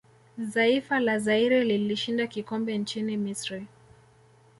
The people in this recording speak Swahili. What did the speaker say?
zaifa la Zaire lilishinda kikombe nchini misri